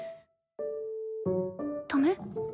ダメ？